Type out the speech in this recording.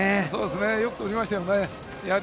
よくとりましたよね。